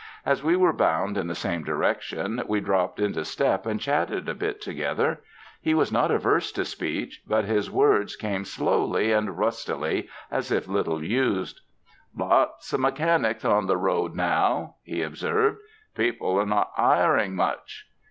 As we were bound in the same direction, we dropped into step and chatted a bit together. He was not averse to speech, but his words came slowly and rustily, as if little used. "Lots of mechanics on the road now," he ob served; "people are not hiring much."